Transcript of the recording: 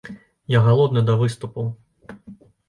Я галодны да выступаў.